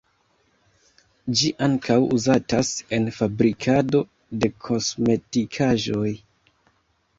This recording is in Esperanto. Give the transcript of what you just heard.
Ĝi ankaŭ uzatas en fabrikado de kosmetikaĵoj.